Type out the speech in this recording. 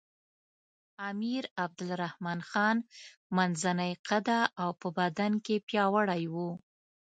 امیر عبدالرحمن خان منځنی قده او په بدن کې پیاوړی وو.